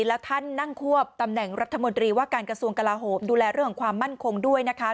แล้วท่านนั่งควบตำแหน่งรัฐมนตรีว่าการกระทรวงกลาโหมดูแลเรื่องของความมั่นคงด้วยนะคะ